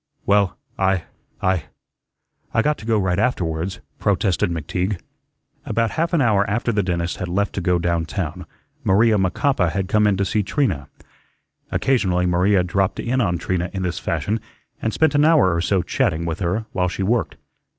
"Well, I I I got to go right afterwards," protested McTeague. About half an hour after the dentist had left to go down town, Maria Macapa had come in to see Trina. Occasionally Maria dropped in on Trina in this fashion and spent an hour or so chatting with her while she worked.